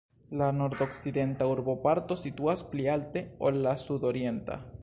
La nordokcidenta urboparto situas pli alte ol la sudorienta.